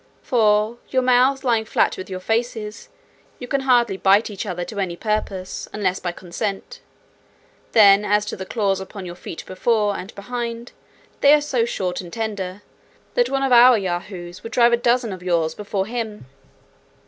For, your mouths lying flat with your faces, you can hardly bite each other to any purpose, unless by consent. Then as to the claws upon your feet before and behind, they are so short and tender, that one of our Yahoos would drive a dozen of yours before him.